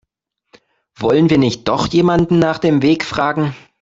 Wollen wir nicht doch jemanden nach dem Weg fragen?